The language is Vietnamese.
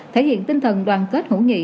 thể hiện tinh thần đoàn kết hữu nghị